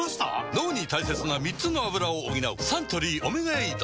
脳に大切な３つのアブラを補うサントリー「オメガエイド」